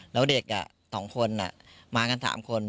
แล้วเด็ก๒คนมากัน๓คน